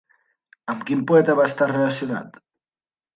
Amb quin poeta va estar relacionat?